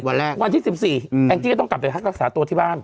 วันแรกวันที่สิบสี่อืมแองจี้ก็ต้องกลับไปรักษาตัวที่บ้าน